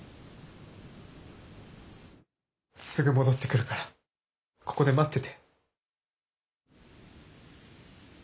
すぐ戻ってくるからここで待ってて。